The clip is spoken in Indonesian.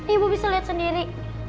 ini bu bisa liat sendiri